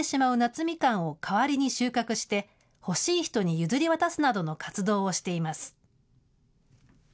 みかんを代わりに収穫して、欲しい人に譲り渡すなどの活動をしています。